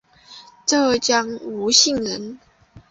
浙江吴兴人。